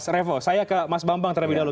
revo saya ke mas bambang terlebih dahulu